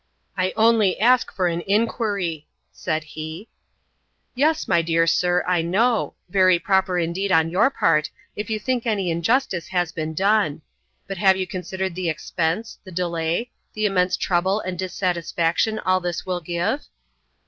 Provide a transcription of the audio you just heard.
"I only ask for an inquiry," said he. "Yes, my dear sir, I know. Very proper indeed on your part, if you think any injustice has been done; but have you considered the expense, the delay, the immense trouble and dissatisfaction all this will give?"